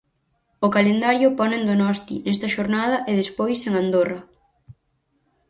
O calendario pono en Donosti nesta xornada e despois en Andorra.